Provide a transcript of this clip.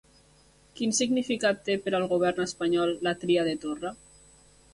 Quin significat té per al govern espanyol la tria de Torra?